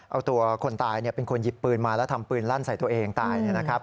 เอาตัวคนตายเป็นคนหยิบปืนมาแล้วทำปืนลั่นใส่ตัวเองตายนะครับ